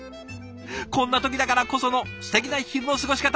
こんな時だからこそのすてきな昼の過ごし方。